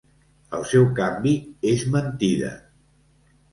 El seu canvi és mentida.